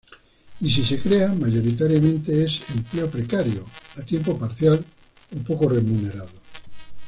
Y si se crea, mayoritariamente es empleo precario, a tiempo parcial o poco remunerado.